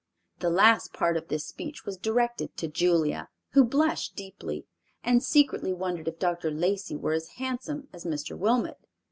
The last part of this speech was directed to Julia, who blushed deeply, and secretly wondered if Dr. Lacey were as handsome as Mr. Wilmot.